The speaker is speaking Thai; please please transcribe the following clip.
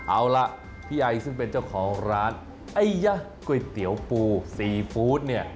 เอาล่ะพี่ไอซึ่งเป็นเจ้าของร้านไอ้ยะก๋วยเตี๋ยวปูซีฟู้ดเนี่ย